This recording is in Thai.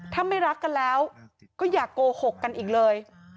ถ้าไม่รักกันแล้วก็อย่าโกหกกันอีกเลย